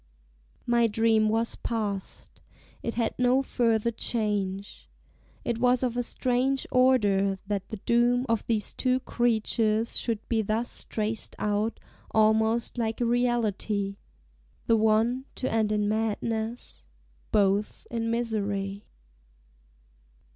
My dream was past; it had no further change. It was of a strange order, that the doom Of these two creatures should be thus traced out Almost like a reality, the one To end in madness both in misery.